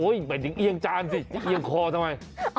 หมายถึงเอียงจานสิจะเอียงคอทำไม